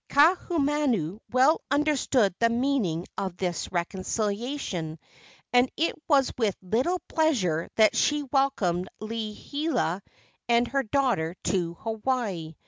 Kaahumanu well understood the meaning of this reconciliation, and it was with little pleasure that she welcomed Liliha and her daughter to Hawaii.